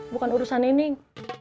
bukan urusan nining